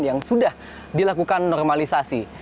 yang sudah dilakukan normalisasi